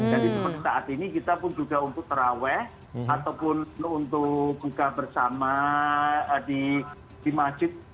jadi seperti saat ini kita pun juga untuk terawih ataupun untuk buka bersama di majid